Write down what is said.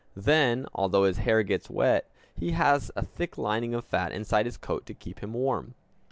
Then, although his hair gets wet, he has a thick lining of fat inside his coat to keep him warm.